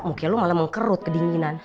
mungkin lu malah mengkerut kedinginan